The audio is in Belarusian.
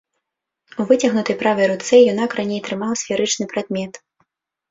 У выцягнутай правай руцэ юнак раней трымаў сферычны прадмет.